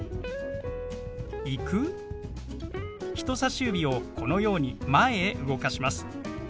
人さし指をこのように前へ動かします。